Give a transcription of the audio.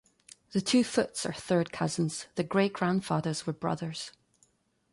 The two Footes are third cousins; their great-grandfathers were brothers.